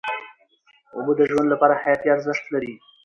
اوبه د ژوند لپاره حیاتي ارزښت لري.